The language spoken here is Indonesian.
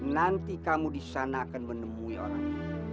nanti kamu di sana akan menemui orang